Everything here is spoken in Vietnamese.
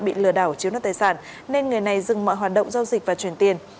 bị lừa đảo chiếu nắp tài sản nên người này dừng mọi hoạt động giao dịch và chuyển tiền